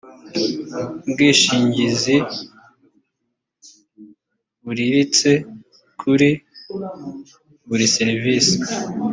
bwishingizi buriritse kuri buri serivisi